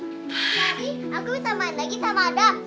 kali aku bisa main lagi sama adam